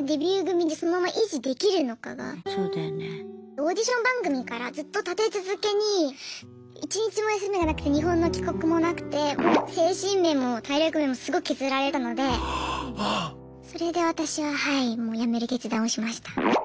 オーディション番組からずっと立て続けに一日も休みがなくて日本の帰国もなくてもう精神面も体力面もすごく削られたのでそれで私ははいもうやめる決断をしました。